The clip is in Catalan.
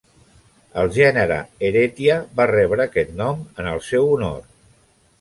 El gènere Ehretia va rebre aquest nom en el seu honor.